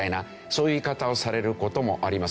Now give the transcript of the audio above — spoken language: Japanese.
そういう言い方をされる事もありますね。